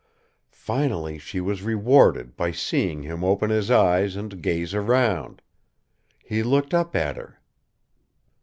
Finally she was rewarded by seeing him open his eyes and gaze around. He looked up at her.